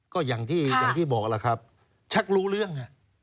ก็อย่างที่บอกล่ะครับชักรู้เรื่อง